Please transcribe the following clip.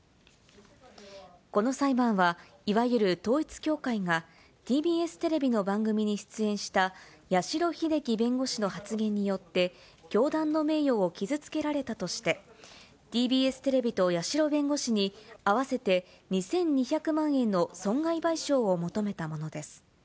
この裁判は、いわゆる統一教会が、ＴＢＳテレビの番組に出演した、八代英輝弁護士の発言によって、教団の名誉を傷つけられたとして、ＴＢＳテレビと八代弁護士に、合わせて２２００万円の損害賠償を求めたものです。